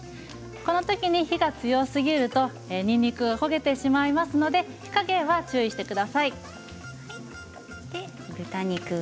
この時に火が強すぎるとにんにくが焦げてしまうので火加減は注意してください。